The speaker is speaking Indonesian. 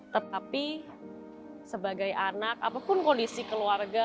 tetapi sebagai anak apapun kondisi keluarga